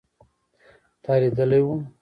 تا لیدلی و